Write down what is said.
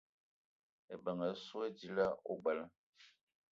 Ebeng essoe dila ogbela